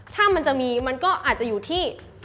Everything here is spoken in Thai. ถ้ามันจะมีมันก็อาจจะอยู่ที่